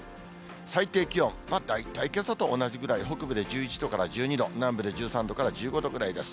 最低気温、大体けさと同じぐらい、北部で１１度から１２度、南部で１３度から１５度ぐらいです。